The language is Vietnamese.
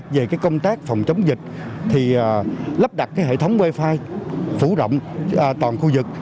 về công tác phòng chống dịch thì lắp đặt hệ thống wifi phủ động toàn khu vực